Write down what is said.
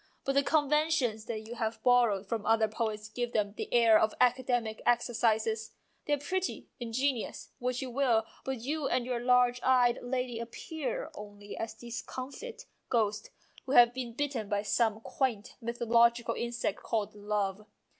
But the conventions that you have borrowed from other poets give them the air of academic exercises : they are pretty, in genious, what you will, but you and your large eyed lady appear only as discomfited ghosts who have been bitten by some quaint mythological insect called love.